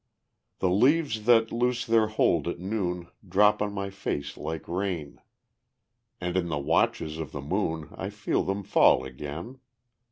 The leaves that loose their hold at noon Drop on my face like rain, And in the watches of the moon I feel them fall again.